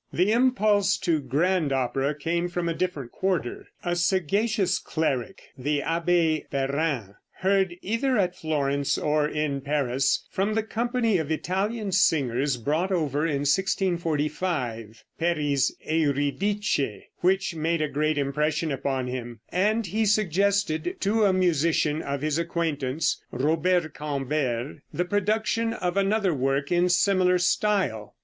The impulse to grand opera came from a different quarter. A sagacious cleric, the Abbé Perrin, heard, either at Florence or in Paris, from the company of Italian singers brought over in 1645, Peri's "Eurydice," which made a great impression upon him, and he suggested to a musician of his acquaintance, Robert Cambert, the production of another work in similar style.